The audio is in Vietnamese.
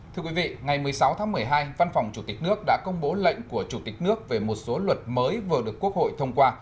thưa quý vị ngày một mươi sáu tháng một mươi hai văn phòng chủ tịch nước đã công bố lệnh của chủ tịch nước về một số luật mới vừa được quốc hội thông qua